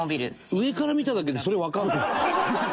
上から見ただけでそれわかるの？